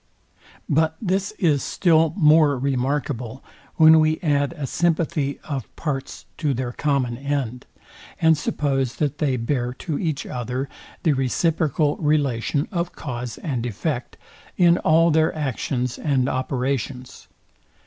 But this is still more remarkable, when we add a sympathy of parts to their common end, and suppose that they bear to each other, the reciprocal relation of cause and effect in all their actions and operations.